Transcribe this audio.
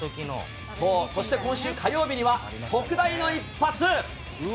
そして、今週火曜日には特大の一発。